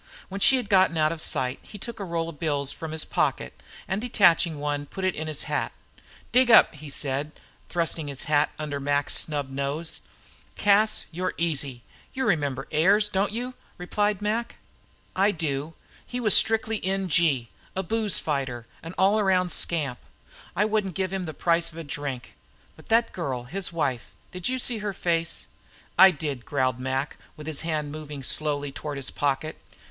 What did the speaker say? When she had gotten out of sight he took a roll of bills from his pocket, and detaching one, put it in his hat. "Dig up," he said, thrusting the hat under Mac's snub nose. "Cas, you're easy. You remember Ayers, don't you?" replied Mac. "I do. He was strictly N.G., a booze fighter, an all around scamp. I wouldn't give him the price of a drink. But that girl, his wife did you see her face?" "I did," growled Mac, with his hand moving slowly toward his pocket.